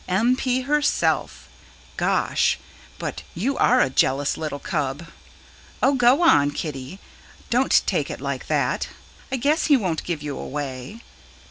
"M. P. herself Gosh, but you are a jealous little cub. Oh, go on, Kiddy, don't take it like that. I guess he won't give you away."